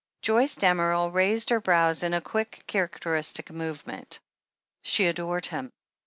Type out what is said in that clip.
Joyce Damerel raised her brows in a quick, char acteristic movement. "She adored him.